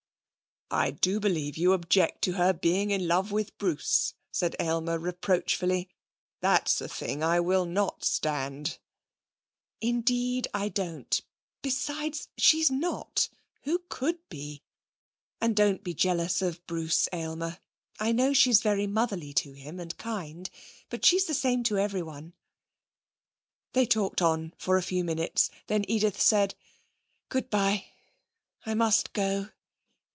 'I do believe you object to her being in love with Bruce,' said Aylmer reproachfully. 'That's a thing I will not stand.' 'Indeed I don't. Besides, she's not. Who could be?... And don't be jealous of Bruce, Aylmer.... I know she's very motherly to him, and kind. But she's the same to everyone.' They talked on for a few minutes. Then Edith said: 'Good bye. I must go.'